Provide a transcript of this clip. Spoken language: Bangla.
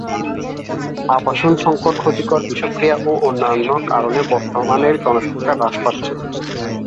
আবাসন সংকট, ক্ষতিকর বিষক্রিয়া ও অন্যান্য কারণে বর্তমান এর জনসংখ্যা হ্রাস পাচ্ছে।